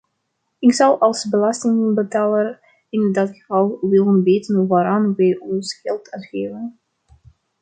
Ik zou als belastingbetaler in dat geval willen weten waaraan wij ons geld uitgeven.